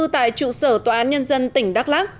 tại trụ sở tòa án nhân dân tỉnh đắk lắc